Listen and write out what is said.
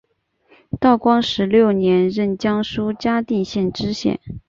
道光十六年任江苏嘉定县知县。